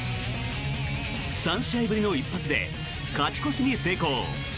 ３試合ぶりの一発で勝ち越しに成功。